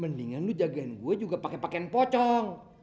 mendingan lu jagain gue juga pake pakein pocong